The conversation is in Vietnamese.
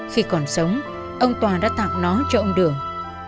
khi còn sống ông tòa đã tặng nó cho ông đường